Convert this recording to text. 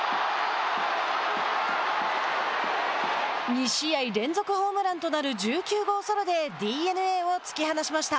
２試合連続ホームランとなる１９号ソロでＤｅＮＡを突き放しました。